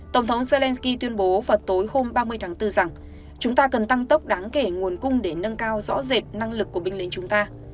tổng thống zelensky tuyên bố vào tối hôm ba mươi tháng bốn rằng chúng ta cần tăng tốc đáng kể nguồn cung để nâng cao rõ rệt năng lực của binh lính chúng ta